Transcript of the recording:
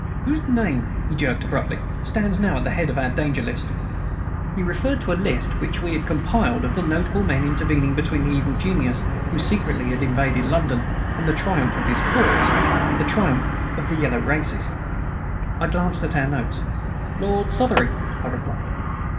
"Whose name," he jerked abruptly, "stands now at the head of our danger list?" He referred to a list which we had compiled of the notable men intervening between the evil genius who secretly had invaded London and the triumph of his cause the triumph of the yellow races. I glanced at our notes. "Lord Southery," I replied.